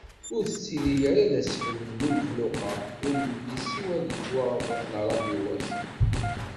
Ur tettili ara d asfel n umexluq-a ur nelli siwa di lekwaɣeḍ d radyuwat.